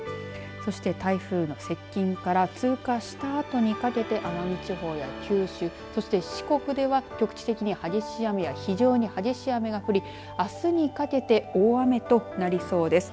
そして、台風の接近から通過したあとにかけて奄美地方や九州そして四国では局地的に激しい雨や非常に激しい雨が降りあすにかけて大雨となりそうです。